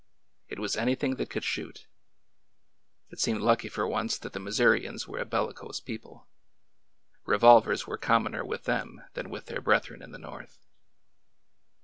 It was anything that could shoot 1 It seemed lucky for once that the Mis sourians were a bellicose people. Revolvers were com moner with them than with their brethren in the North.